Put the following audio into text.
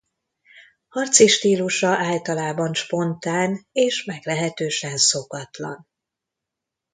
Harci stílusa általában spontán és meglehetősen szokatlan.